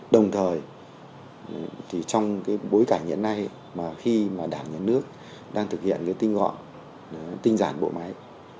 đồng thời trong bối cảnh hiện nay khi đảng nhà nước đang thực hiện tinh dản bộ máy